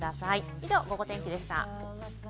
以上、ゴゴ天気でした。